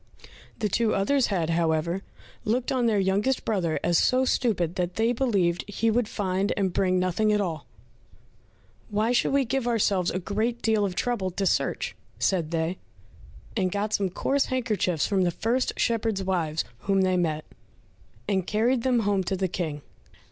The two others had, however, looked on their youngest brother as so stupid that they believed he would find and bring nothing at all. "Why should we give ourselves a great deal of trouble to search?" said they, and got some coarse handkerchiefs from the first shepherds' wives whom they met, and carried them home to the King.